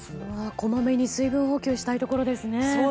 こまめに水分補給したいところですね。